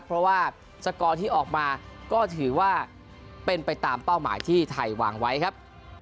เพราะว่าสกอร์ที่ออกมาก็ถือว่าเป็นไปตามเป้าหมายที่ไทยวางไว้ครับ